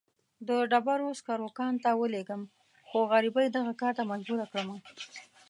د ډبرو سکرو کان ته ولېږم، خو غريبۍ دغه کار ته مجبوره کړمه.